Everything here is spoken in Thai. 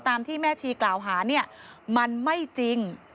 ตามที่แม่ทีกล่าวหามันไม่จริง